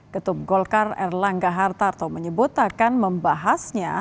ketum golkar erlangga hartarto menyebut akan membahasnya